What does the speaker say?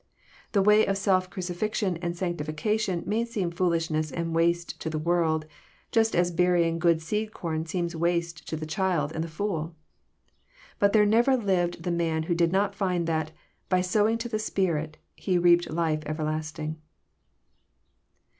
The way of self crucifixion and sanctifica tion may seem foolishness and waste to the world, just as burying good seed corn seems waste to the child and the fool. But there never lived the man who did not find that, by sowing to the Spirit, he reaped life everlasting.